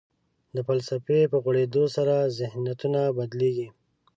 د فلسفې په غوړېدو سره ذهنیتونه بدلېږي.